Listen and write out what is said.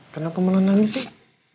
kenapa mau nangis sih